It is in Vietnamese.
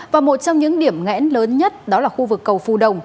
và một trong những điểm nghẽn lớn nhất đó là khu vực cầu phù đồng